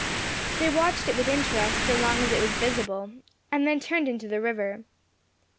They watched it with interest so long as it was visible, and then turned into the river.